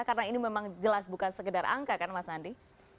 karena ini memang jelas bukan sekedar angka kan mas nandi